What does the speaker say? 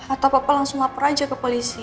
atau papa langsung lapor aja ke polisi